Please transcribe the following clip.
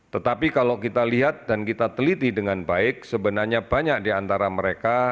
tetapi kalau kita lihat dan kita teliti dengan baik sebenarnya banyak diantara mereka